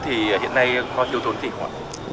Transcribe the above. thì hiện nay có tiêu thốn gì không ạ